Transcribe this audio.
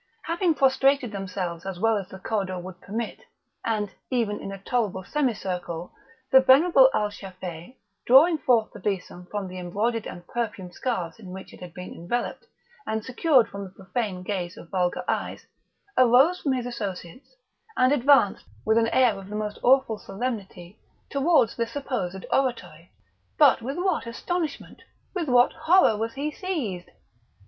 Having prostrated themselves as well as the corridor would permit, and even in a tolerable semicircle, the venerable Al Shafei, drawing forth the besom from the embroidered and perfumed scarves in which it had been enveloped, and secured from the profane gaze of vulgar eyes, arose from his associates, and advanced, with an air of the most awful solemnity, towards the supposed oratory; but with what astonishment! with what horror was he seized!